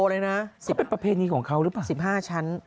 เป็นประเภทความบางอยู่ของเขาหรือไม่